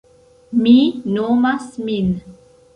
Mi nomas min.